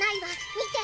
みて！